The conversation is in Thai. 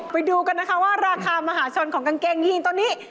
ไปดูกันนะคะว่าราคามหาชนของกางเกงยีนตัวนี้